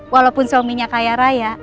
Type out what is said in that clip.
walaupun suaminya kaya raya